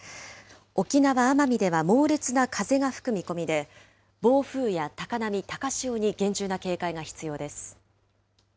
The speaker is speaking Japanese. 沖縄・奄美では猛烈な風が吹く見込みで、暴風や高波、高潮に厳重な警戒が必要です。